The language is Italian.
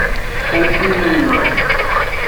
Duncan Munro